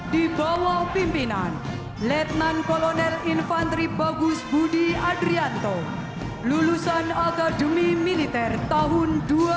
lieutenant colonel infantri bagus budi adrianto lulusan akademi militer tahun dua ribu